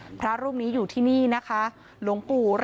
เป็นพระรูปนี้เหมือนเคี้ยวเหมือนกำลังทำปากขมิบท่องกระถาอะไรสักอย่าง